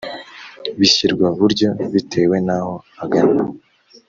bishyirwa buryo bitewe n’aho agana